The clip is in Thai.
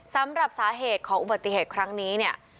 สำหรับสาเหตุของอุบัติเหตุครั้งนี้เนี่ย